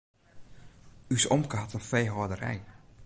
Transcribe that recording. Us omke hat in feehâlderij.